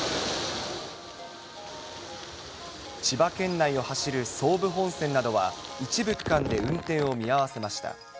千葉県内を走る総武本線などは、一部区間で運転を見合わせました。